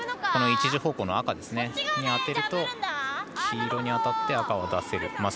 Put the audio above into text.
１時方向の赤に当てると黄色に当たって赤を出せる。